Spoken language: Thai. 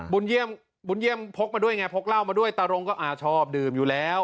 บุญเยี่ยมบุญเยี่ยมพกมาด้วยไงพกเล่ามาด้วยตารงก็อ่าชอบดื่มอยู่แล้ว